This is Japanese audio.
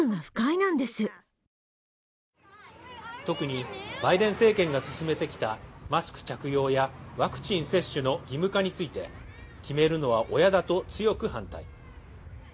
特にバイデン政権が進めてきたマスク着用やワクチン接種の義務化について決めるのは親だと強く反対。